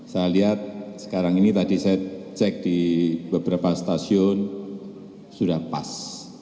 saya lihat sekarang ini tadi saya cek di beberapa stasiun sudah pas